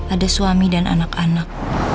ada suami dan anak anak